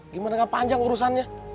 gimana gak panjang urusannya